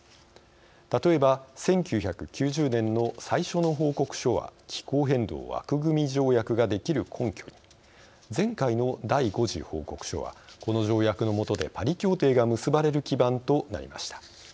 例えば、１９９０年の最初の報告書は気候変動枠組条約ができる根拠に前回の第５次報告書はこの条約のもとでパリ協定が結ばれる基盤となりました。